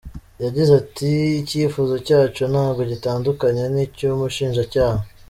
Yagize ati “ Icyifuzo cyacu ntabwo gitandukanye n’icy’umushinjacyaha.